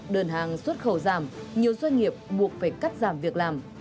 đơn hàng xuất khẩu giảm nhiều doanh nghiệp buộc phải cắt giảm việc làm